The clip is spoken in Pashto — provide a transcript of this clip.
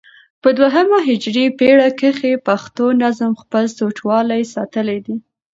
په دوهمه هجري پېړۍ کښي پښتو نظم خپل سوچه والى ساتلى دئ.